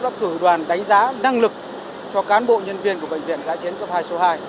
liên hợp quốc đã cử đoàn đánh giá năng lực cho cán bộ nhân viên của bệnh viện giã chiến cấp hai số hai